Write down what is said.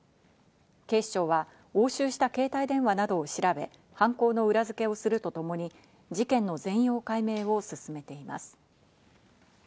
警視庁は押収した携帯電話などを調べ、犯行の裏付けをするとともに、事件の全容解明を進めています。